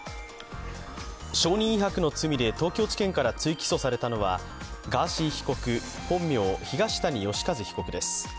証人威迫の罪で東京地検から追起訴されたのはガーシー被告本名、東谷義和被告です。